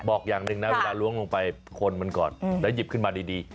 บอกอย่างหนึ่งนะเวลาล้วงลงไปคนมันก่อนแล้วหยิบขึ้นมาดี